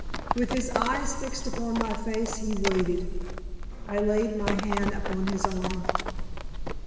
With his eyes fixed upon my face he waited. I laid my hand upon his arm.